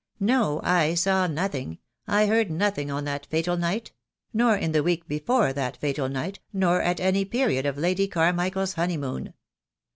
No, I saw nothing, I heard nothing on that fatal night — nor in the week before that fatal night, nor at any period of Lady Carmichael's honeymoon.